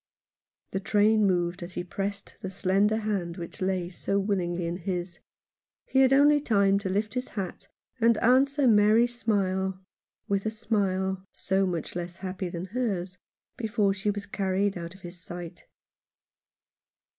The train moved as he pressed the slender hand which lay so willingly in his ; he had only time to lift his hat and answer Mary's smile with a smile — so much less happy than hers — before she was carried out of his sight.